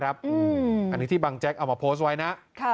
อันนี้ที่บังแจ๊กเอามาโพสต์ไว้นะ